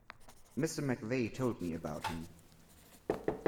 Mr McVeigh told me about him.